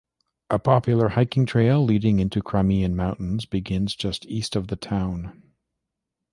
A popular hiking trail leading into Crimean Mountains begins just east of the town.